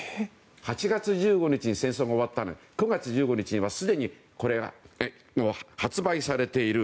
８月１５日に戦争が終わったのに９月１５日には、すでにこれが発売されている。